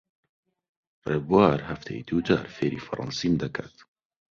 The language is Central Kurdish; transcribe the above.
ڕێبوار هەفتەی دوو جار فێری فەڕەنسیم دەکات.